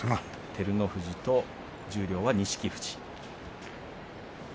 照ノ富士と、十両は錦富士。